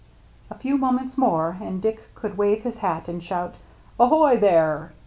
A few moments more and Dick could wave his hat and shout, " Ahoy, there !